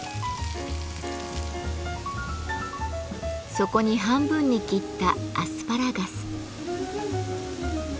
そこに半分に切ったアスパラガス。